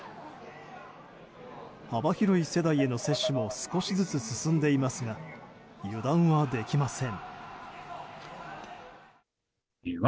幅広い世代への接種も少しずつ進んでいますが油断はできません。